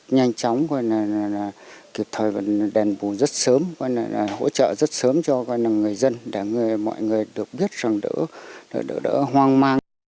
nhanh chóng kiệp thời đèn bù rất sớm hỗ trợ rất sớm cho người dân để mọi người được biết đỡ đỡ hoang mang